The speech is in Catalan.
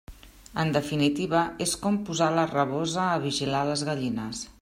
En definitiva, és com posar la rabosa a vigilar les gallines.